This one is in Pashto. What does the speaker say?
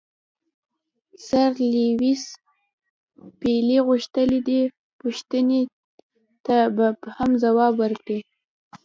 سر لیویس پیلي غوښتل دې پوښتنې ته مبهم ځواب ورکړي.